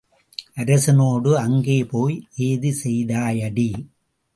அரசனோடு அங்கே போய் ஏது செய்தாயடி?